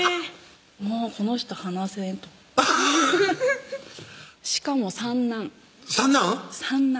もうこの人放せんとしかも三男三男？